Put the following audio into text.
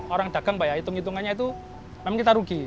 orang dagang pak ya hitung hitungannya itu memang kita rugi